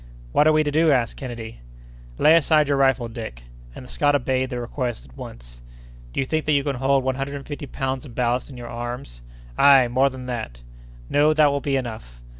"What are we to do?" asked Kennedy. "Lay aside your rifle, Dick." And the Scot obeyed the request at once. "Do you think that you can hold one hundred and fifty pounds of ballast in your arms?" "Ay, more than that!" "No! That will be enough!"